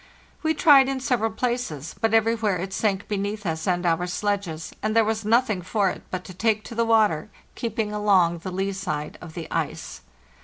We tried in sev eral places, but everywhere it sank beneath us and our sledges, and there was nothing for it but to take to the water, keeping along the lee side of the ice.